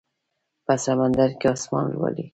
په سمندر کې اسمان لولي